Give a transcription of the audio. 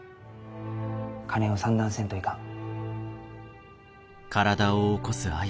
金を算段せんといかん。